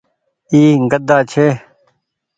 اي گھدآ ڇي۔